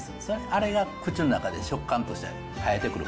あれが口の中で、食感として生えてくる。